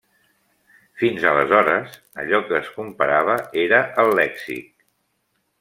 Fins aleshores, allò que es comparava era el lèxic.